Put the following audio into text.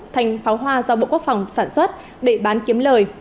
thành pháo hoa do bộ quốc phòng sản xuất để bán kiếm lời